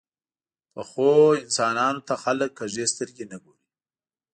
پخو انسانانو ته خلک کږې سترګې نه ګوري